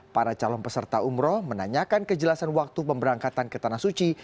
para calon peserta umroh menanyakan kejelasan waktu pemberangkatan ke tanah suci